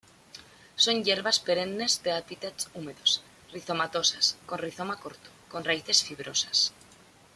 Son hierbas perennes de hábitats húmedos, rizomatosas, con rizoma corto, con raíces fibrosas.